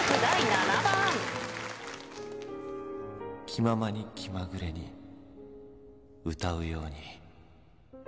「気ままに気まぐれに歌うように」